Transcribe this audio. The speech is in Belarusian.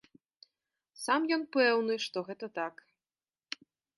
Сам ён пэўны, што гэта так.